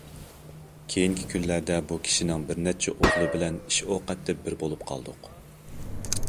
كېيىنكى كۈنلەردە بۇ كىشىنىڭ بىر نەچچە ئوغلى بىلەن ئىش ئوقەتتە بىر بولۇپ قالدۇق.